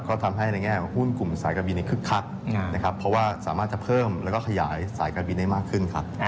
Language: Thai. ก็ทำให้ในแง่ของหุ้นกลุ่มสายการบินนี้คึกคักนะครับเพราะว่าสามารถจะเพิ่มแล้วก็ขยายสายการบินได้มากขึ้นครับ